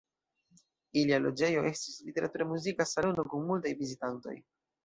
Ilia loĝejo estis literatura-muzika salono kun multaj vizitantoj.